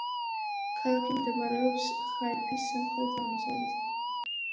ქალაქი მდებარეობს ხაიფის სამხრეთ-აღმოსავლეთით.